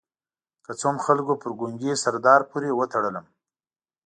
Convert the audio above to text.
که څه هم خلکو پر ګونګي سردار پورې وتړلم.